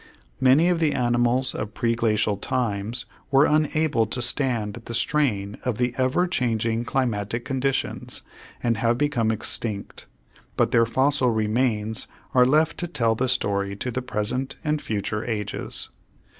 Many of the animals of preglacial times were unable to stand the strain of the ever changing climatic conditions and have become extinct, but their fossil remains are left to tell the story to the present and future ages.